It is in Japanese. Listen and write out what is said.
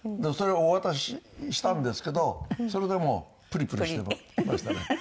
それをお渡ししたんですけどそれでもプリプリしてましたね。